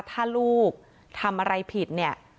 ถ้าลูกทำอะไรผิดเนี่ย